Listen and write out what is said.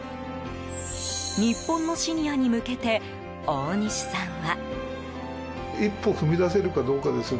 日本のシニアに向けて大西さんは。